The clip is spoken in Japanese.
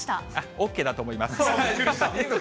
ＯＫだと思います。